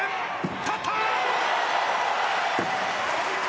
立った！